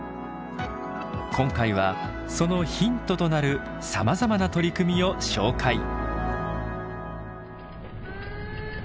今回はそのヒントとなるさまざまな取り組みを紹介。